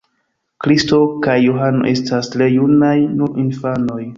Kristo kaj Johano estas tre junaj, nur infanoj.